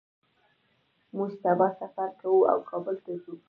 موږ سبا سفر کوو او کابل ته ځو